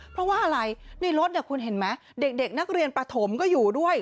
เพราะว่าอะไรในรถคุณเห็นไหมเด็กนักเรียนประถมก็อยู่ด้วย